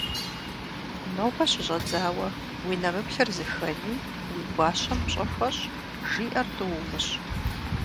- Нобэ щыщӀэдзауэ уи нэмыплъыр зыхэни, уи гуащэм пщӀэ хуэщӀ, жиӀэр тӀу умыщӀ.